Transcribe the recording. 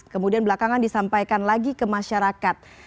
kemudian belakangan disampaikan lagi ke masyarakat